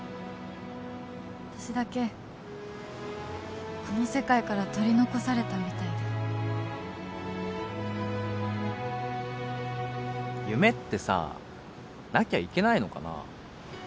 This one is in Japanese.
私だけこの世界から取り残されたみたいで夢ってさなきゃいけないのかな？